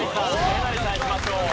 えなりさんいきましょう。